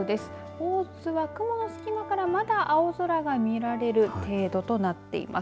大津は雲の隙間からまだ青空が見られる程度となっています。